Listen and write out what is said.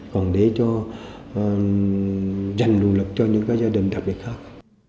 còn để cho dành nguồn lực cho những cái gia đình đặc biệt khác